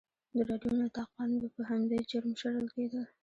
د راډیو نطاقان به په همدې جرم شړل کېدل.